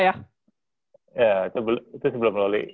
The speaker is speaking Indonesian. ya itu sebelum loli